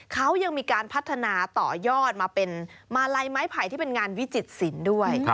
เขายังมีการพัฒนาต่อยอดมาเป็นมาลัยไม้ไผ่ที่เป็นงานวิจิตศิลป์ด้วย